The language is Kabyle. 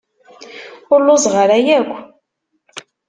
Ur lluẓeɣ ara akk.